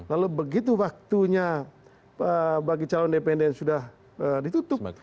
lalu begitu waktunya bagi calon independen sudah ditutup